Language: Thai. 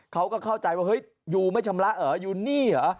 เขาก็เข้าใจว่าเฮ้ยยูไม่ชำระเหรอยูนี่เหรอ